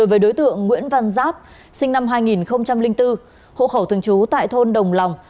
với đối tượng nguyễn văn giáp sinh năm hai nghìn bốn hộ khẩu thường trú tại thôn đồng lòng